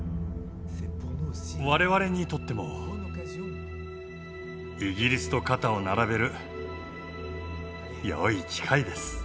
我々にとってもイギリスと肩を並べるよい機会です。